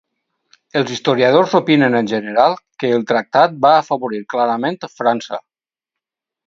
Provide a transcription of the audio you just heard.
Els historiadors opinen en general que el tractat va afavorir clarament França.